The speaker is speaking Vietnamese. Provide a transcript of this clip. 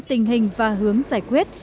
tình hình và hướng giải quyết